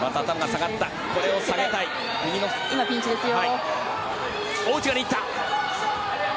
今、ピンチですよ。